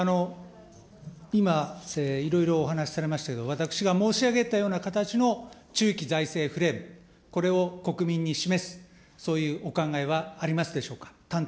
今、いろいろお話されましたけど、私が申し上げたような形の中期財政フレーム、これを国民に示す、そういうお考えはありますでしょうか。